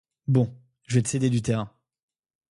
Bon, je vais te céder du terrain.